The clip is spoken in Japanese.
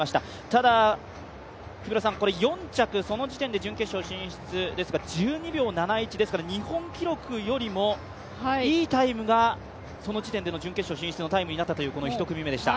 ただ、４着、その時点で準決勝進出ですから、１２秒７１ですから日本記録よりもいいタイムがその時点での準決勝進出のタイムになったという１組目でした。